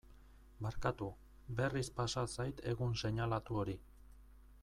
Barkatu, berriz pasa zait egun seinalatu hori.